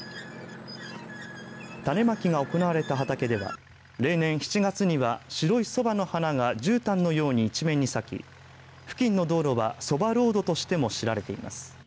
種まきが行われた畑では例年７月には白いそばの花がじゅうたんのように一面に咲き、付近の道路はそばロードとしても知られています。